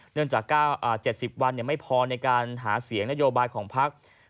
เนื่องจาก๗๐วันไม่พอในการหาเสียงนโยบายของภักดิ์